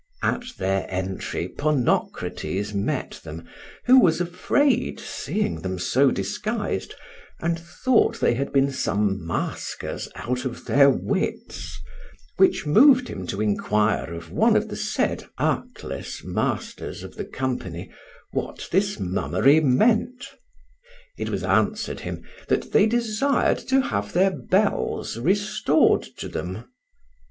At their entry Ponocrates met them, who was afraid, seeing them so disguised, and thought they had been some masquers out of their wits, which moved him to inquire of one of the said artless masters of the company what this mummery meant. It was answered him, that they desired to have their bells restored to them.